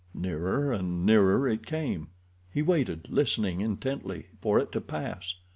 Nearer and nearer it came. He waited, listening intently, for it to pass.